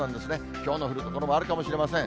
ひょうが降る所もあるかもしれません。